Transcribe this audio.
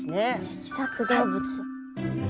脊索動物。